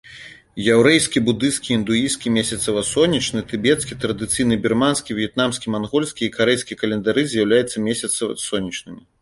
Яўрэйскі, будысцкі, індуісцкі месяцава-сонечны, тыбецкі, традыцыйны бірманскі, в'етнамскі, мангольскі і карэйскі календары з'яўляюцца месяцава-сонечнымі.